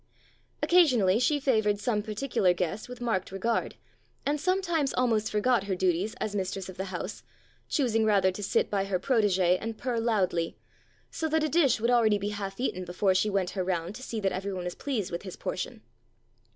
Occasionally she favoured some par ticular guest with marked regard, and sometimes almost forgot her duties as mistress of the house, choosing rather to sit by her protegee and purr loudly, so that a dish would already be half eaten before she went her round to see that everyone was pleased with his portion.